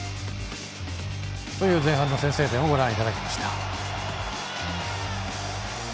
前半の先制点をご覧いただきました。